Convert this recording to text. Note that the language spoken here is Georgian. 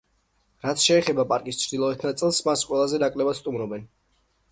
რაც შეეხება პარკის ჩრდილოეთ ნაწილს, მას ყველაზე ნაკლებად სტუმრობენ.